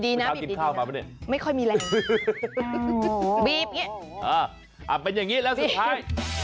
บีบดีนะบีบดีนะไม่ค่อยมีแรงบีบนี่อ่าเป็นอย่างนี้แล้วสุดท้าย